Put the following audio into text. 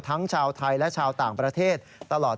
ชาวไทยและชาวต่างประเทศตลอด